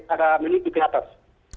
ada menuju ke atas